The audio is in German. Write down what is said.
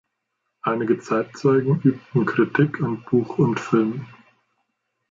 Einige Zeitzeugen übten Kritik an Buch und Film.